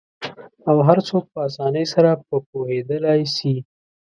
او هرڅوک په آسانۍ سره په پوهیدالی سي